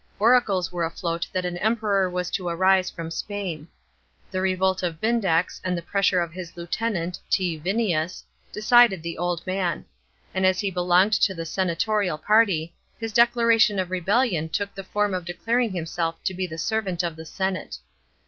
Oracles were afloat that an Emperor was to arise from Spain. The revolt of Vindex, and the pressure of his lieutenant, T. Vinius, decided the old man ; and, as he belonged to the senatorial party, his declaration of rebellion took the form of declaring himself the servant of the senate.